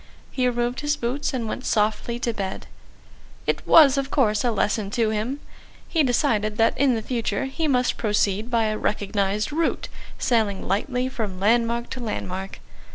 He removed his boots and went softly to bed. ... It was, of course, a lesson to him. He decided that in the future he must proceed by a recognised route, sailing lightly from landmark to landmark.